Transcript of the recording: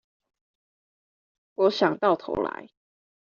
我想，到頭來